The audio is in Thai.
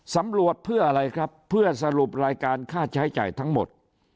สำรวจเพื่ออะไรครับเพื่อสรุปรายการค่าใช้จ่ายทั้งหมด